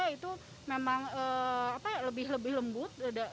itu memang lebih lembut